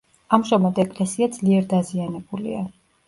ამჟამად ეკლესია ძლიერ დაზიანებულია.